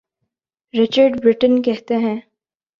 Richard Burton کہتے ہیں۔